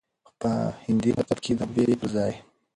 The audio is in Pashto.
خو په هندي مکتب کې د محبوبې پرځاى